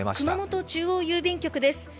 熊本中央郵便局です。